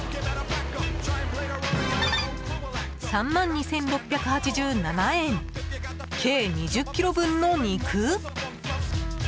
３万２６８７円計２０ｋｇ分の肉。